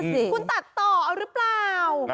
คุณตัดต่อเอาหรือเปล่า